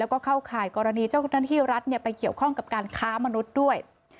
ก็เข้าข่ายกรณีเจ้าหน้าที่รัฐเกี่ยวข้องการค้ามนุษย์